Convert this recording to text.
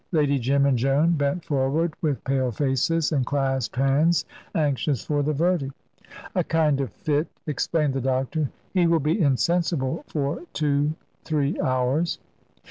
Lady Jim and Joan bent forward with pale faces and clasped hands, anxious for the verdict. "A kind of fit," explained the doctor; "he will be insensible for two three hours."